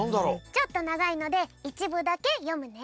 ちょっとながいのでいちぶだけよむね。